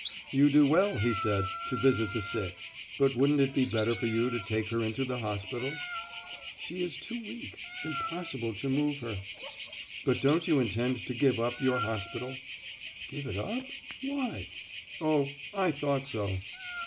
'You do well,' he said, 'to visit the sick, but wouldn't it be better for you to take her into the hospital?' 'She is too weak; impossible to move her.' 'But don't you intend to give up your hospital?' 'Give it up? Why?' 'Oh, I thought so.